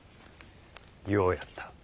ようやった。